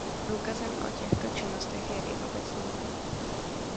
Důkazem o těchto činnostech je i obecní znak.